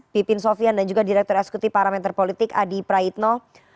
pipin sofian dan juga direktur eksekutif parameter politik adi praitno